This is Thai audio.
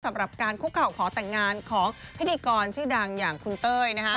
สำหรับการคุกเข่าขอแต่งงานของพิธีกรชื่อดังอย่างคุณเต้ย